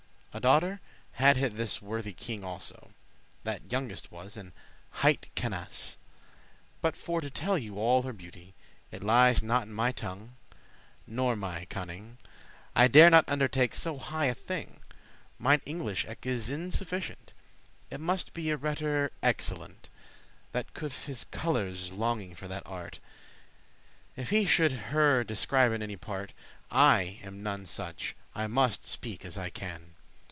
A daughter had this worthy king also, That youngest was, and highte Canace: But for to telle you all her beauty, It lies not in my tongue, nor my conning;* *skill I dare not undertake so high a thing: Mine English eke is insufficient, It muste be a rhetor* excellent, *orator *That couth his colours longing for that art,* * see <4>* If he should her describen any part; I am none such, I must speak as I can.